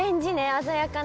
鮮やかな。